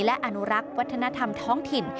และอนุรักษ์วัฒนธรรมท้องถิ่น